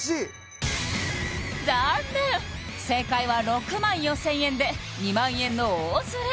残念正解は６４０００円で２００００円の大ズレ